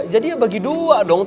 jadi ya bagi dua dong